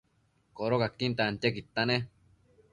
Codocaquin tantiaquidta nec